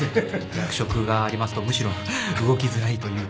役職がありますとむしろ動きづらいというか。